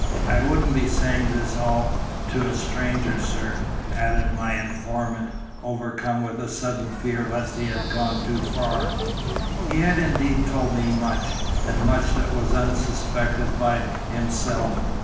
I wouldn't be saying all this to a stranger, sir," added my informant, overcome with a sudden fear lest he had gone too far. He had indeed told me much, and much that was unsuspected by himself.